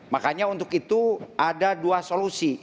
makanya untuk itu ada dua solusi